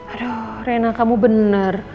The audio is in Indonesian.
aduh rena kamu bener